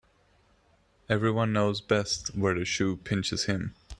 Every one knows best where the shoe pinches him.